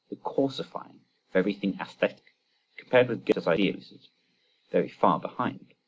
The coarsifying of everything æsthetic.—Compared with Goethe's ideal it is very far behind.